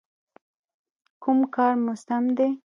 _کوم کار مو سم دی؟